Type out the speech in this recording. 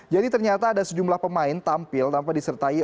jadi ternyata ada sejumlah pemain tampil tanpa disertai